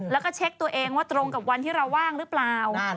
แล้วก็เช็คตัวเองว่าตรงกับวันที่เราว่างหรือเปล่า